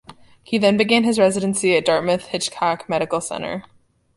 He then began his residency at Dartmouth Hitchcock Medical Center.